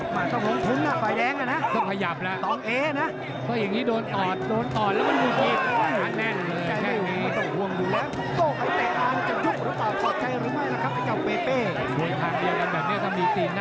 ฮัยับแล้วนะพ่อเองนี่โดนตอดแล้วมันอยู่ดึดฟ้าแน่นเลยแค่นี้